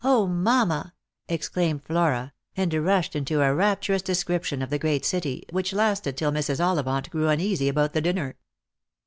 mamma!" exclaimed Flora, and rushed into a rapturous description of the great city, which lasted till Mrs. Ollivant grew uneasy about the dinner.